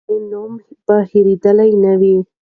د هغې نوم به هېرېدلی نه وي.